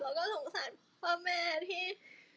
แล้วก็สงสารพ่อแม่ที่